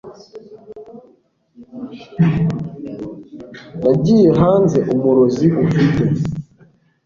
nagiye hanze, umurozi ufite